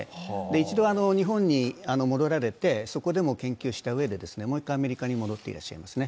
一度日本に戻られてそこでも研究したうえでもう一回アメリカに戻ってらっしゃいますね。